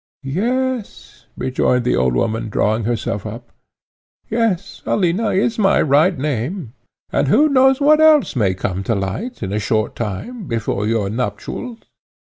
"Yes," rejoined the old woman, drawing herself up "yes, Alina is my right name, and who knows what else may come to light, in a short time, before your nuptials?"